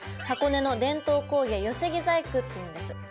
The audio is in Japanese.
箱根の伝統工芸寄木細工っていうんです。